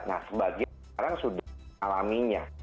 nah sebagian sekarang sudah alaminya